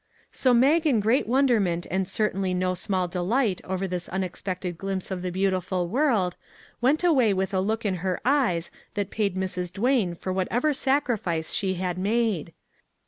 So Mag in great wonderment and certainly no small delight over this unexpected glimpse of the beautiful world, went away with a look in her eyes that paid Mrs. Duane for whatever sacrifice she had made.